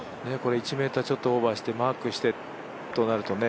１ｍちょっとオーバーしてマークしてってなるとね。